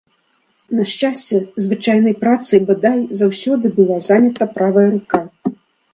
На шчасце, звычайнай працай, бадай, заўсёды была занята правая рука.